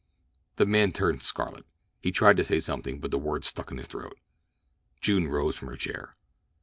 The man turned scarlet. He tried to say something, but the words stuck in his throat. June rose from her chair.